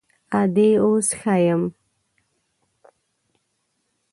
_ادې، اوس ښه يم.